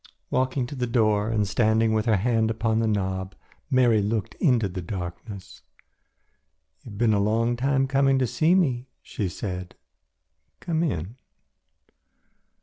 Walking to the door and standing with her hand upon the knob, Mary looked into the darkness. "You have been a long time coming to see me," she said, "come in."